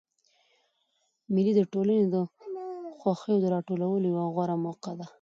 مېلې د ټولني د خوښیو د راټولولو یوه غوره موقع ده.